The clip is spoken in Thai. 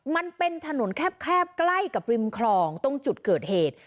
มันเป็นถนนแคบใกล้กับริมคลองตรงจุดเกิดเหตุ